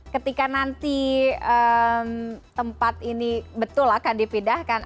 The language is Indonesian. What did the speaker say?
ketika nanti tempat ini betul akan dipindahkan